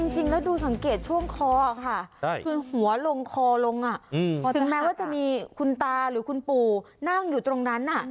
จริงแล้วดูสังเกตช่วงคอค่ะคือหัวลงคอลงถึงแม้ว่าจะมีคุณตาหรือคุณปู่นั่งอยู่ตรงนั้น